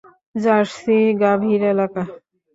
Jersey গাভীর এলাকা।